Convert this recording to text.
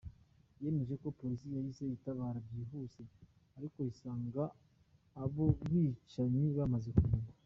Yemeje ko Polisi yahise itabara byihuse ariko isanga abo bicanyi bamaze kugenda.